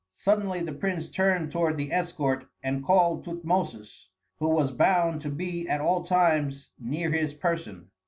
Suddenly the prince turned toward the escort and called Tutmosis, who was bound to be at all times near his person.